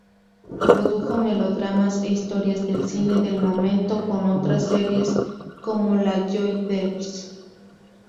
Produjo melodramas e historias del cine del momento, con otras series como la "Joe-Deebs".